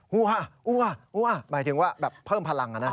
ฮูอ่าอูอ่าอูอ่าหมายถึงว่าเพิ่มพลัง